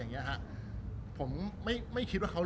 รูปนั้นผมก็เป็นคนถ่ายเองเคลียร์กับเรา